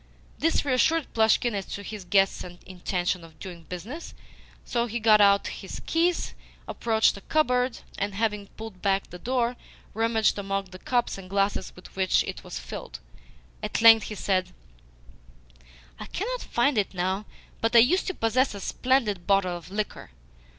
This reassured Plushkin as to his guest's intention of doing business, so he got out his keys, approached a cupboard, and, having pulled back the door, rummaged among the cups and glasses with which it was filled. At length he said: "I cannot find it now, but I used to possess a splendid bottle of liquor.